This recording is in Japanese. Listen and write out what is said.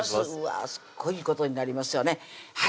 すごいことになりますよね